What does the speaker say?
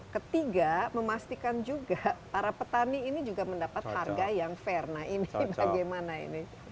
ketiga memastikan juga para petani ini juga mendapat harga yang fair